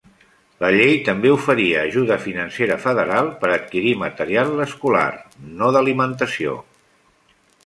La llei també oferia ajuda financera federal per adquirir material escolar, no d'alimentació.